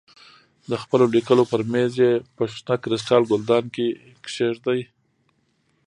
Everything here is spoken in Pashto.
د خپلو لیکلو پر مېز یې په شنه کریسټال ګلدان کې کېږدې.